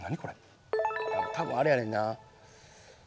多分あれやねんな。